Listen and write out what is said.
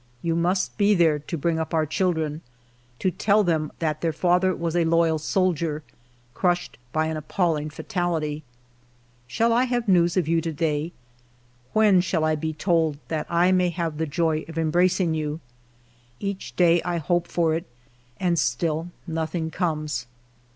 You must be there to bring up our children ; to ALFRED DREYFUS 89 tell them that their father was a loyal soldier, crushed by an appalling fatality. " Shall I have news of you to day ? When shall I be told that I may have the joy of em bracing you ? Each day I hope for it, and still nothing comes.